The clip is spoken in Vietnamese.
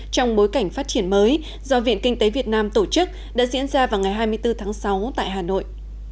trong bối cảnh phát triển mới do viện kinh tế việt nam tổ chức đã diễn ra vào ngày hai mươi bốn tháng sáu tại hà nội